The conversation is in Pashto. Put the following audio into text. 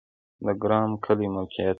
د ګرماب کلی موقعیت